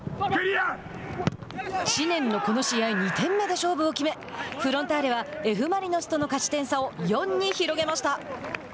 知念の、この試合２点目で勝負を決めフロンターレはＦ・マリノスとの勝ち点差を４に広げました。